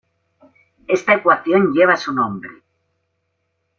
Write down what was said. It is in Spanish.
Esta ecuación lleva su nombre.